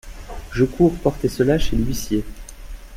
Je cours porter cela chez l’huissier.